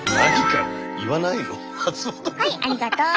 はいありがとう。